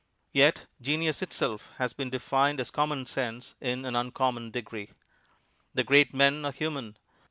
Yet genius itself has been defined as common sense in an uncommon degree. The great men are human.